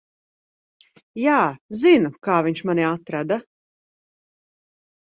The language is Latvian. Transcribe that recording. Jā, zinu, kā viņš mani atrada.